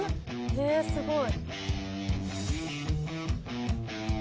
えすごい。